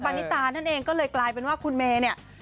นิตานั่นเองก็เลยกลายเป็นว่าคุณเมย์เนี่ย